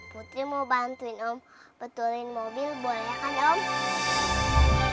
putih mau bantuin om betulin mobil boleh kan om